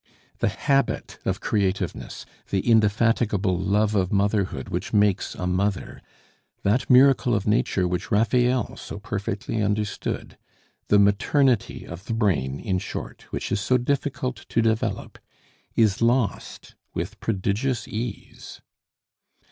The habit of creativeness, the indefatigable love of motherhood which makes a mother that miracle of nature which Raphael so perfectly understood the maternity of the brain, in short, which is so difficult to develop, is lost with prodigious ease.